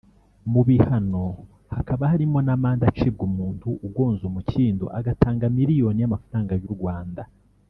mu bihano hakaba harimo n’amande acibwa umuntu ugonze umukindo agatanga miliyoni y’amafaranga y’u Rwanda